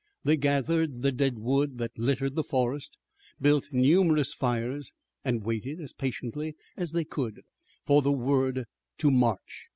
They gathered the dead wood that littered the forest, built numerous fires, and waited as patiently as they could for the word to march.